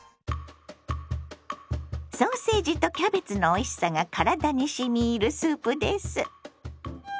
ソーセージとキャベツのおいしさが体にしみいるスープです。